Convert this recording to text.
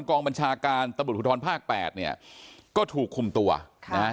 กองบัญชาการตำรวจภูทรภาคแปดเนี่ยก็ถูกคุมตัวค่ะนะฮะ